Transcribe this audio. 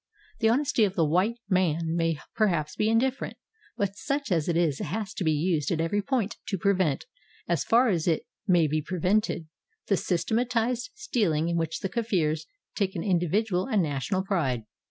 The honesty of the white man may perhaps be indifferent, but such as it is it has to be used at every point to prevent, as far as it may be prevented, the systematized stealing in which the Kafirs take an individual and national pride.